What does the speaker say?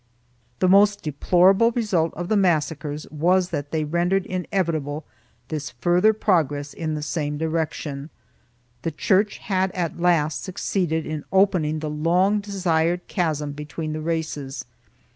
The most deplorable result of the massacres was that they rendered inevitable this further progress in the same direction. The Church had at last succeeded in opening the long desired chasm between the races.